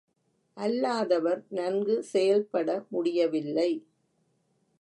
அல்லாதவர் நன்கு செயல்பட முடியவில்லை.